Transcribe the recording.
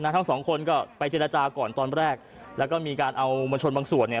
ทั้งสองคนก็ไปเจรจาก่อนตอนแรกแล้วก็มีการเอามวลชนบางส่วนเนี่ย